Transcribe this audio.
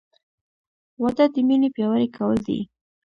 • واده د مینې پیاوړی کول دي.